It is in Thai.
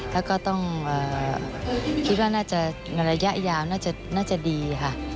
แล้วก็ต้องคิดว่าน่าจะในระยะยาวน่าจะดีค่ะ